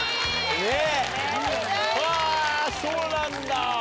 はぁそうなんだ。